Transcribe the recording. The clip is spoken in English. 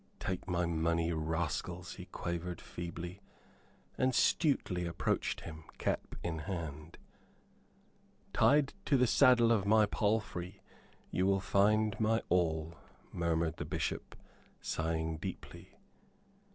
"Take my money, rascals," he quavered, feebly; and Stuteley approached him, cap in hand. "Tied to the saddle of my palfrey you will find my all," murmured the Bishop, sighing deeply.